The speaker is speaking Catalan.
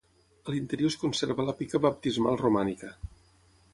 A l'interior es conserva la pica baptismal romànica.